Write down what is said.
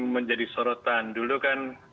menjadi sorotan dulu kan